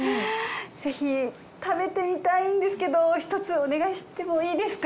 ぜひ食べてみたいんですけど１つお願いしてもいいですか？